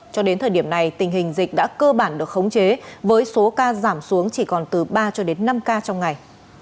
cho đến thời điểm này tình hình dịch đã cơ bản được khống chế với số ca giảm xuống chỉ còn từ ba cho đến năm ca trong ngày